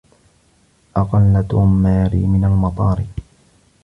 أقلّ توم ماري من المطار.